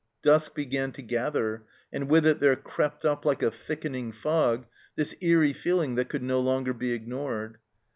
Dusk began to gather, and with it there crept up like a thickening fog this eerie feel ing that could no longer be ignored.